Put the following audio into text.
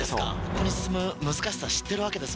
ここに進む難しさ知ってるわけですもんね。